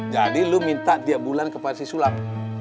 lu minta tiap bulan kepada si sulam